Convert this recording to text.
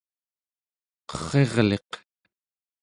qerrirliq